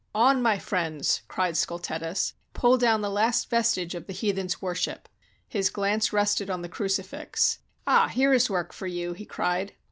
*'0n, my friends!" cried Scultetus. "Pull down the last vestige of the heathen's worship!" His glance rested on the crucifix. "Ah! here is work for you!" he cried.